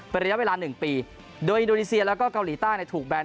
เป็นระยะเวลา๑ปีโดยอินโดนีเซียแล้วก็เกาหลีใต้ถูกแบน